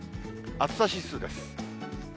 暑さ指数です。